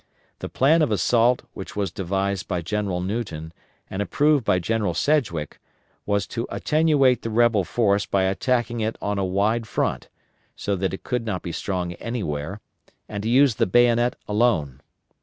The plan of assault which was devised by General Newton, and approved by General Sedgwick, was to attenuate the rebel force by attacking it on a wide front, so that it could not be strong anywhere, and to use the bayonet alone.